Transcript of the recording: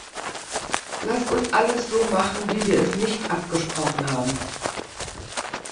Lasst uns alles so machen, wie wir es nicht abgesprochen haben!